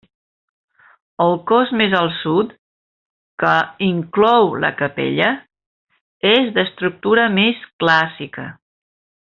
El cos més al sud, que inclou la capella, és d'estructura més clàssica.